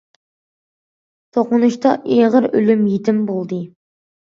توقۇنۇشتا ئېغىر ئۆلۈم يېتىم بولدى.